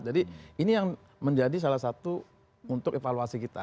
jadi ini yang menjadi salah satu untuk evaluasi kita